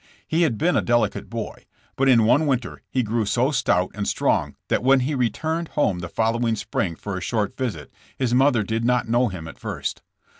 He had been a delicate boy, but in one winter he grew so stout and strong that when he returned home the following spring for a short visit, his mother did not know him at first.